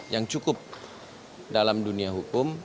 yang cukup dalam dunia hukum